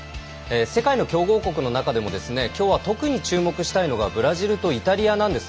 世界の強豪国の中でもきょうは特に注目したいのがブラジルとイタリアなんです。